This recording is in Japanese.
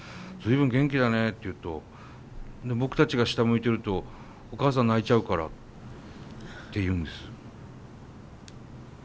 随分元気だねって言うと僕たちが下向いてるとお母さん泣いちゃうからって言うんです。